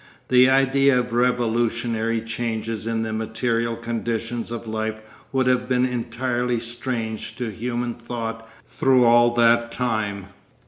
The idea of revolutionary changes in the material conditions of life would have been entirely strange to human thought through all that time.